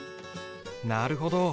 なるほど。